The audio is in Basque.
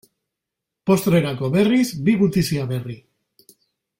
Postrerako berriz, bi gutizia berri.